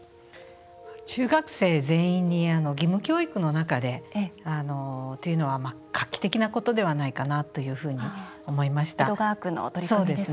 中学生全員に義務教育の中でというのは画期的なことではないかなというふうに思いました。